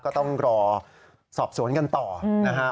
ก็ต้องรอสอบสวนกันต่อนะฮะ